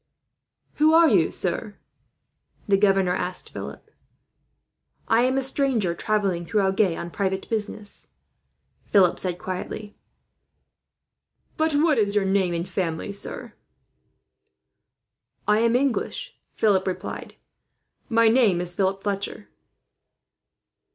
"Who are you, sir?" the governor asked Philip. "I am a stranger, travelling through Agen on private business," Philip said quietly. "But what is your name and family, sir?" "I am English," Philip replied. "My name is Philip Fletcher."